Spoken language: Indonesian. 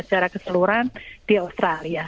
secara keseluruhan di australia